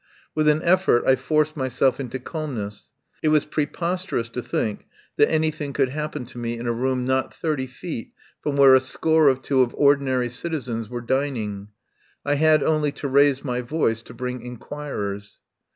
With an effort I forced myself into calmness. It was preposterous to think that anything could hap pen to me in a room not thirty feet from where a score or two of ordinary citizens were din 140 RESTAURANT IN ANTIOCH STREET ing. I had only to raise my voice to bring inquirers.